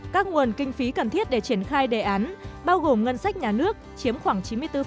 các nguồn kinh phí cần thiết để triển khai đề án bao gồm ngân sách nhà nước chiếm khoảng chín mươi bốn